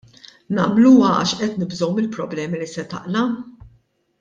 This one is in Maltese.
Nagħmluha għax qed nibżgħu mill-problemi li se taqla'?